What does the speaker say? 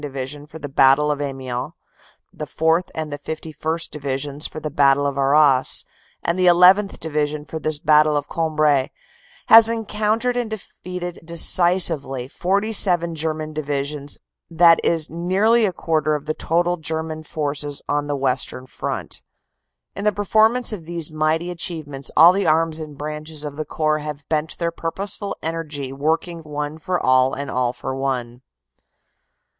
Division for the Battle of Amiens, the 4th. and the 51st. Divisions for the Battle of Arras, and the 1 1th. Division for this Battle of Cambrai has encoun tered and defeated decisively 47 German divisions that is nearly a quarter of the total German forces on the Western front. "In the performance of these mighty achievements all the arms and branches of the Corps have bent their purposeful energy working one for all and all for one.